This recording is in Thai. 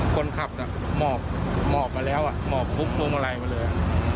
คนขับน่ะหมอกหมอกมาแล้วอ่ะหมอกพุกปังกลัวมาอะไรมาเลยอ่ะ